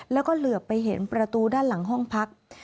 แล้วก็เหลือไปเห็นประตูด้านหลังห้องพัก